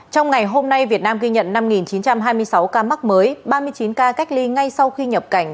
trong ngày hôm nay việt nam ghi nhận năm chín trăm hai mươi sáu ca mắc mới ba mươi chín ca cách ly ngay sau khi nhập cảnh